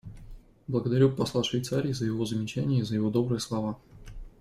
Благодарю посла Швейцарии за его замечания и за его добрые слова.